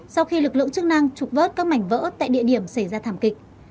sau khi lực lượng chức năng trục vớt các mảnh vỡ tại địa điểm xảy ra thảm kịch